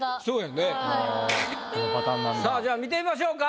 さあじゃあ見てみましょうか。